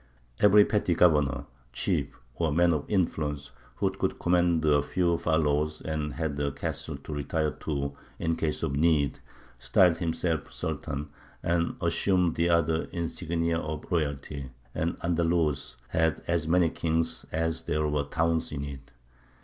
Every petty governor, chief, or man of influence, who could command a few followers and had a castle to retire to in case of need, styled himself Sultan, and assumed the other insignia of royalty; and Andalus had as many kings as there were towns in it.